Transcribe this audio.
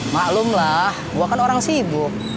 maklumlah gue kan orang sibuk